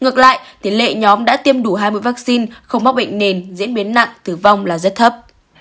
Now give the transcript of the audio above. ngược lại tỷ lệ nhóm đã tiêm đủ hai mươi vaccine không mắc bệnh nền diễn biến nặng tử vong là rất thấp